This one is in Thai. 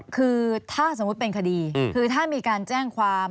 คือถ้าสมมุติเป็นคดีคือถ้ามีการแจ้งความ